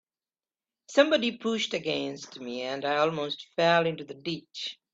Somebody pushed against me, and I almost fell into the ditch.